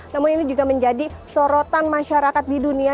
namun ini juga menjadi sorotan masyarakat di dunia